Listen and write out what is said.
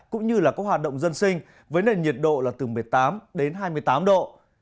cũng như là có hoạt động dân sinh với nền nhiệt độ là từ một mươi tám đến hai mươi tám độ